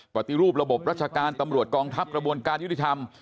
ปฏิรูประบบราชการตำรวจกองทัพกระบวนการยุติธรรม